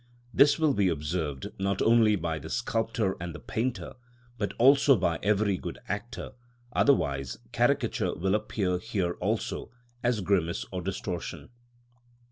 This will be observed, not only by the sculptor and the painter, but also by every good actor; otherwise caricature will appear here also as grimace or distortion.